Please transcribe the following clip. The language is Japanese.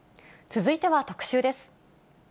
続いては特集です。